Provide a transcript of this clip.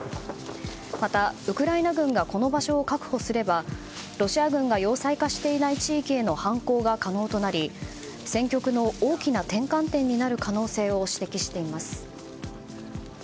また、ウクライナ軍がこの場所を確保すればロシア軍が要塞化していない地域への反攻が可能となり戦局の大きな転換点になる可能性を指摘しています。